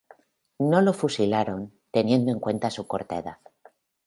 No lo fusilaron teniendo en cuenta su corta edad.